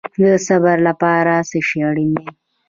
د صبر لپاره څه شی اړین دی؟